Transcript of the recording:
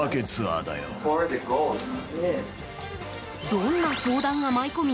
どんな相談が舞い込み